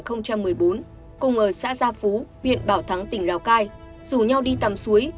phú huyện bảo thắng tỉnh lào cai rủ nhau đi tắm suối